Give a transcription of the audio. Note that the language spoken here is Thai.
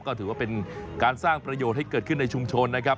ก็ถือว่าเป็นการสร้างประโยชน์ให้เกิดขึ้นในชุมชนนะครับ